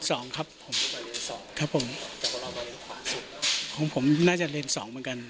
เลนสองครับผมครับผมของผมน่าจะเลนสองเหมือนกัน